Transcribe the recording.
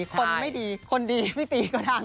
คนไม่ดีคนดีไม่ตีก็ได้